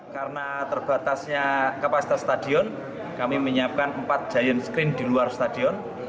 karena terbatasnya kapasitas stadion kami menyiapkan empat giant screen di luar stadion